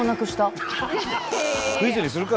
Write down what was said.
クイズにするか！